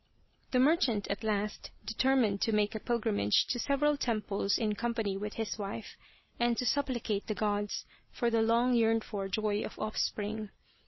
The merchant at last determined to make a pilgrim age to several temples in company with his wife, and to supplicate the gods for the long yearned for joy of offspring.